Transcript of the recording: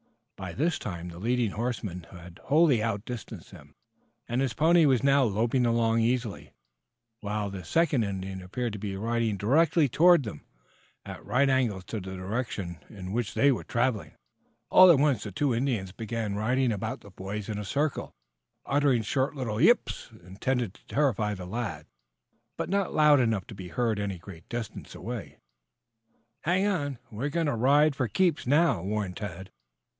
By this time the leading horseman had wholly outdistanced them, and his pony was now loping along easily, while the second Indian appeared to be riding directly toward them, at right angles to the direction in which they were traveling. All at once the two Indians began riding about the boys in a circle, uttering short little "yips," intended to terrify the lads, but not loud enough to be heard any great distance away. "Hang on! We're going to ride for keeps now!" warned Tad.